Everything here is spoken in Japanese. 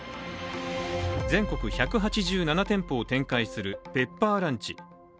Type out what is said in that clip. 全国１８７店舗を展開するペッパーランチ。